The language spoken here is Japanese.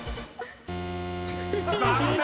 ［残念！］